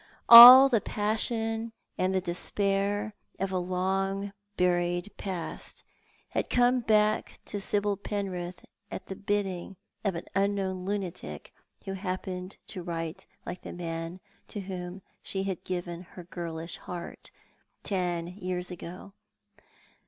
All the passion and the despair of a long buried past had come back to Sibyl Penrith at the bidding of an unknown lunatic who happened to write like the man to whom she had given her girlish heart ten years ago.